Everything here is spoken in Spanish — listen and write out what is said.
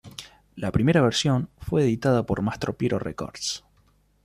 La primera versión fue editada por "Mastropiero Records".